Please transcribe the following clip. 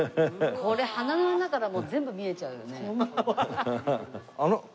これ鼻の穴からもう全部見えちゃうよね。